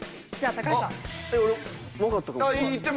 俺わかったかも。